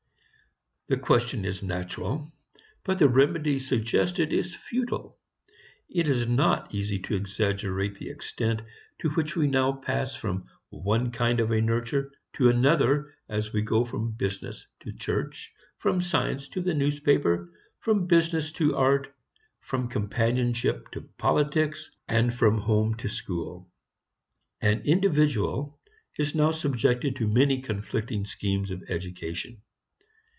The question is natural, but the remedy suggested is futile. It is not easy to exaggerate the extent to which we now pass from one kind of nurture to another as we go from business to church, from science to the newspaper, from business to art, from companionship to politics, from home to school. An individual is now subjected to many conflicting schemes of education.